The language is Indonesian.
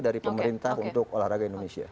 dari pemerintah untuk olahraga indonesia